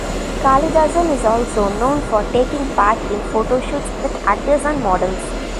Kalidasan is also known for taking part in photoshoots with actors and models.